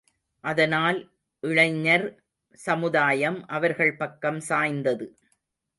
அதனால் இளைஞர் சமுதாயம் அவர்கள் பக்கம் சாய்ந்தது.